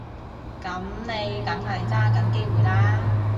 噉你梗係揸緊機會啦